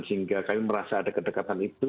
sehingga kami merasa ada kedekatan itu